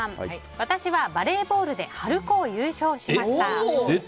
私はバレーボールで春高優勝しました。